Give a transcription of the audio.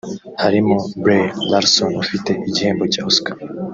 harimo Brie Larson ufite igihembo cya Oscar